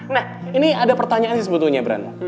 nah ini ada pertanyaan sih sebetulnya brand